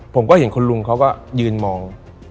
ผมก็เห็นคุณลุงเขาก็ยืนมอง